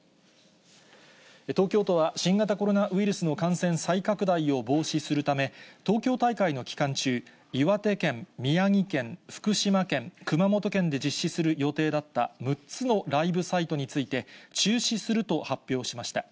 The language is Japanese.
東京都は新型コロナウイルスの感染再拡大を防止するため、東京大会の期間中、いわて県、宮城県、福島県、熊本県で実施する予定だった６つのライブサイトについて、中止すると発表しました。